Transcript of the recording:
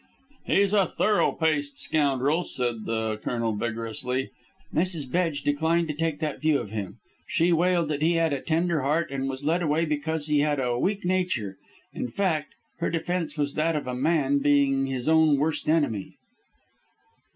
"He's a thorough paced scoundrel," said the Colonel vigorously. "Mrs. Bedge declined to take that view of him. She wailed that he had a tender heart and was led away because he had a weak nature. In fact, her defence was that of a man being his own worst enemy."